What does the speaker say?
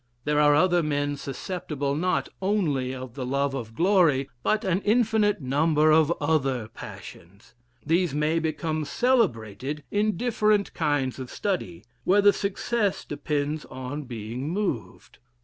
There are other men susceptible not Only of the love of glory, but an infinite number of other passions: these may become celebrated in different kinds of study, where the success depends on being moved.